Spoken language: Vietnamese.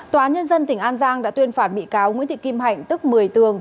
tòa nhân dân tỉnh an giang đã tuyên phạt bị cáo nguyễn thị kim hạnh tức một mươi tường